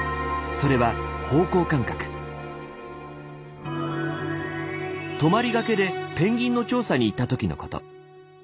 それは泊まりがけでペンギンの調査に行った時のこと。